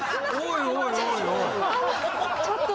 ちょっと。